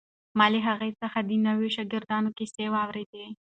ما له هغې څخه د نویو شاګردانو کیسې واورېدې.